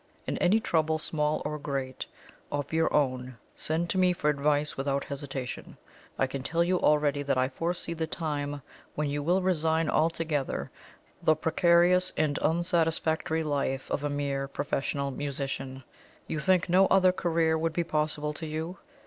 In any trouble, small or great, of your own, send to me for advice without hesitation. I can tell you already that I foresee the time when you will resign altogether the precarious and unsatisfactory life of a mere professional musician. You think no other career would be possible to you?